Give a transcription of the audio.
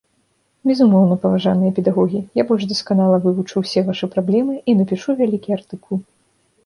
Безумоўна, паважаныя педагогі, я больш дасканала вывучу ўсе вашы праблемы і напішу вялікі артыкул.